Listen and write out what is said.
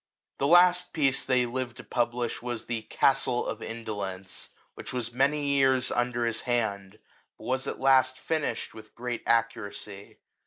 The last piece that he lived to publish was the " Castle of Indolence,'' which was many years under his hand, but was at last finished with great accuracy.